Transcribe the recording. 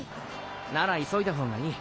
なら急いだ方がいい。